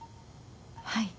はい。